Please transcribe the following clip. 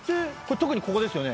特にここですよね。